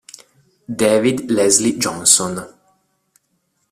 David Leslie Johnson